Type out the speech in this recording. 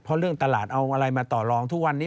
เพราะเรื่องตลาดเอาอะไรมาต่อลองทุกวันนี้